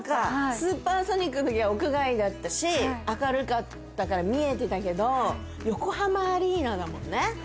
ＳＵＰＥＲＳＯＮＩＣの時は屋外だったし明るかったから見えてたけど横浜アリーナだもんね。